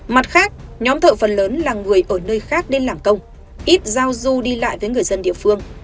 mặt khác nhóm thợ phần lớn là người ở nơi khác đến làm công ít giao du đi lại với người dân địa phương